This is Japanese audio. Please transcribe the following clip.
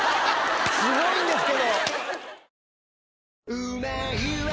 すごいんですけど。